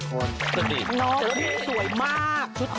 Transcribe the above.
น้องมีสวยมาก